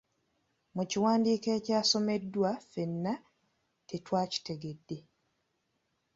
Mu kiwandiiko ekyasomeddwa ffenna tetwakitegedde.